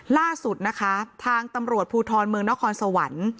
ล่าสุดนะคะทางตำรวจภูทรเมืองนครสวรรค์